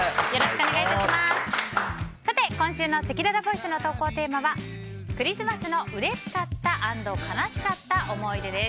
今週のせきららボイスの投稿テーマはクリスマスのうれしかった＆悲しかった思い出です。